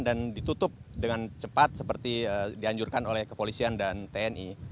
dan ditutup dengan cepat seperti dianjurkan oleh kepolisian dan tni